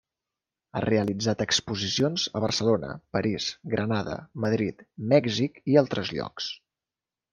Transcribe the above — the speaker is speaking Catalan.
Ha realitzat exposicions a Barcelona, París, Granada, Madrid, Mèxic i altres llocs.